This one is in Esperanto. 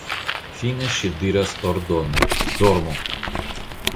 Fine ŝi diras ordone: Dormu!